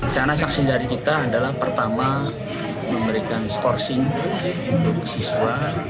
cara saksi dari kita adalah pertama memberikan scourcing untuk siswa